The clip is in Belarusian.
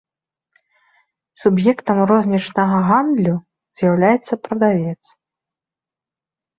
Суб'ектам рознічнага гандлю з'яўляецца прадавец.